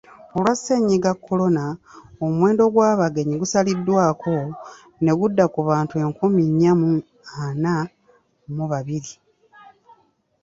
Olwa Ssennyiga Kolona, omuwendo gw'abagenyi gusaliddwako ne gudda ku bantu enkumu nnya mu ana mu babiri.